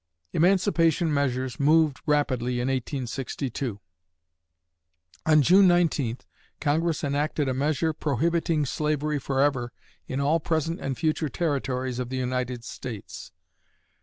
Emancipation measures moved rapidly in 1862. On June 19 Congress enacted a measure prohibiting slavery forever in all present and future territories of the United States.